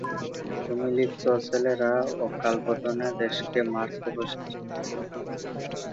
তুমি লিখছ– ছেলেরা অকালবোধনে দেশকে মারতে বসেছে।